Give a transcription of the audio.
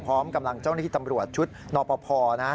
พร้อมกำลังเจ้าหน้าที่ตำรวจชุดนปภนะฮะ